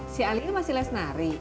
si ali ini masih les nari